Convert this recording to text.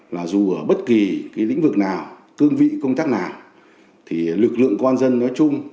là dù ở bất kỳ lĩnh vực nào cương vị công tác nào thì lực lượng quan dân nói chung